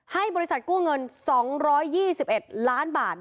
ให้บริษัทกู้เงิน๒๒๑ล้านบาท